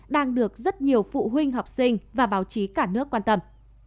đang được rất nhiều phụ huynh học sinh và báo chí cả nước quan tâm